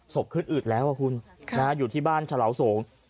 ขึ้นอืดแล้วคุณอยู่ที่บ้านฉลาโสง